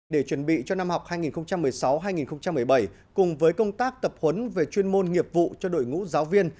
để chuẩn bị cho năm học hai nghìn một mươi sáu hai nghìn một mươi bảy cùng với công tác tập huấn về chuyên môn nghiệp vụ cho đội ngũ giáo viên